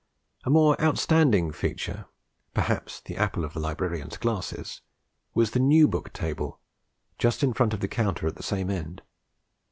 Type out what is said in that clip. A more outstanding feature, perhaps the apple of the librarian's glasses was the New Book Table, just in front of the counter at the same end.